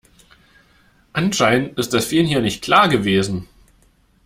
Anscheinend ist das vielen hier nicht klar gewesen.